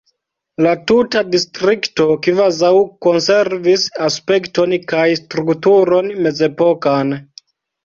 La tuta distrikto kvazaŭ konservis aspekton kaj strukturon mezepokan.